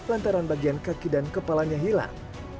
lantaran bagian kaki dan kepalanya hilang